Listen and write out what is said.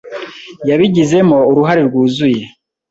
Yabigizemo uruhare rwuzuye.